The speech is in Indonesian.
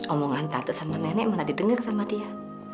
omongan tatuk sama nenek mana didengar sama dia